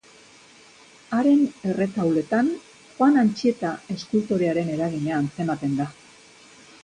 Haren erretauletan Juan Antxieta eskultorearen eragina antzematen da.